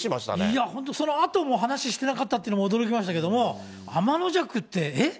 いや本当、そのあとも話ししてなかったっていうのも驚きましたけども、あまのじゃくって、えっ？